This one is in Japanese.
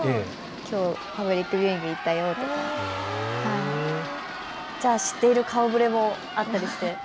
きょうパブリックビューイング行ったよって、じゃあ知っている顔ぶれもあったりして？